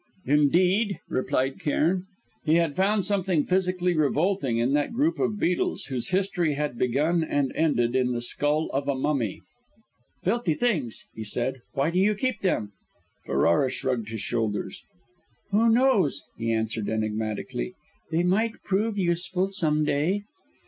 "Indeed?" replied Cairn. He found something physically revolting in that group of beetles whose history had begun and ended in the skull of a mummy. "Filthy things!" he said. "Why do you keep them?" Ferrara shrugged his shoulders. "Who knows?" he answered enigmatically. "They might prove useful, some day."